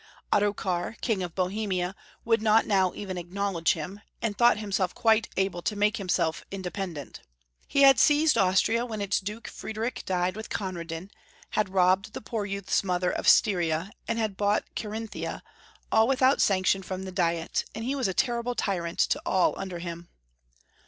Ottokar, King of Bohemia, would not now even acknowledge him, and thought himself quite able to make himself independent. He had seized Austria when its Duke Friedrich died with Con radin, had robbed the poor youth's mother of Styria and had bought Carinthia, aU without sane Bodolf. 197 tion from the Diet, and he was a terrible tyrant to all under him.